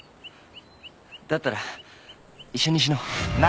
だったら一緒に死のう。